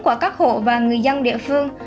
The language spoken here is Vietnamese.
quả các hộ và người dân địa phương